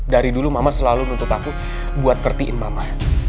dari dulu mama selalu nuntut aku buat ngertiin mama